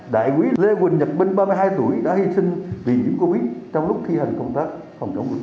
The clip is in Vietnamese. đại quý lê quỳnh nhật minh ba mươi hai tuổi đã hi sinh vì nhiễm covid trong lúc thi hành công tác phòng chống dịch